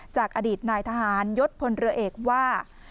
จากอดีตนายทหารยศพลเรือเอกว่า